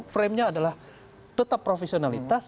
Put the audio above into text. frame nya adalah tetap profesionalitas